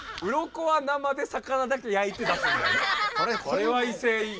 これは威勢いい。